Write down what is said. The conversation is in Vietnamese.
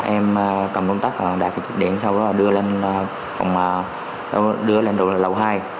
em cầm công tác đặt cái chích điện sau đó và đưa lên lầu hai